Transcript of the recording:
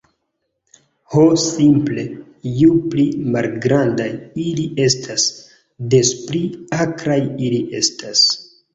Ho simple, ju pli malgrandaj ili estas, des pli akraj ili estas.